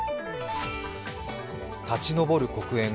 立ち上る黒煙。